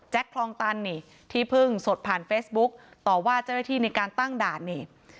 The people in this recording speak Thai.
คลองตันนี่ที่เพิ่งสดผ่านเฟซบุ๊กต่อว่าเจ้าหน้าที่ในการตั้งด่านนี่